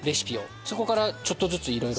そこからちょっとずついろいろ。